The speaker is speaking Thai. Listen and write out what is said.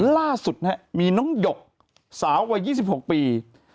ล่าสุดมีน้องหยกสาววัย๒๖ปี